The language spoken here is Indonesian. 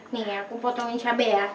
nih aku fotomin cabai ya